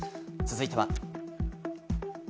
続いては。